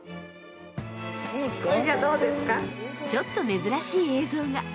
ちょっと珍しい映像が。